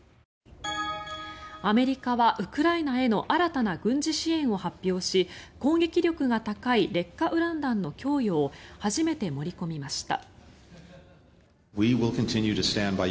アメリカはウクライナへの新たな軍事支援を発表し攻撃力が高い劣化ウラン弾の供与を初めて盛り込みました。